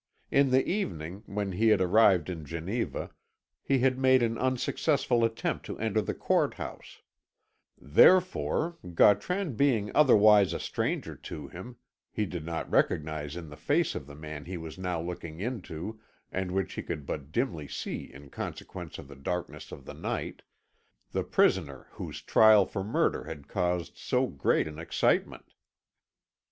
In the evening, when he had arrived in Geneva, he had made an unsuccessful attempt to enter the court house; therefore, Gautran being otherwise a stranger to him, he did not recognise in the face of the man he was now looking into, and which he could but dimly see in consequence of the darkness of the night, the prisoner whose trial for murder had caused so great an excitement.